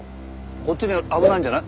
こっち危ないんじゃない？